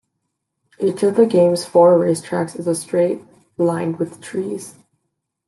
Each of the game's four race tracks is a straight lined with trees.